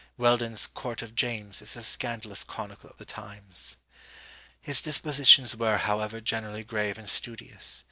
Weldon's "Court of James" is a scandalous chronicle of the times. His dispositions were, however, generally grave and studious.